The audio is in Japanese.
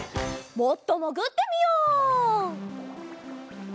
もっともぐってみよう！